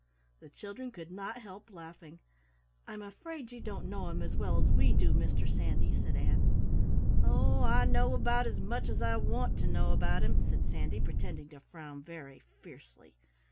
The children could not help laughing. "I'm afraid you don't know him as well as we do, Mr. Sandy," said Ann. "Oh, I know about as much as I want to know about him," said Sandy, pretending to frown very fiercely.